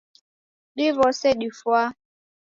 Diw'ose difwaa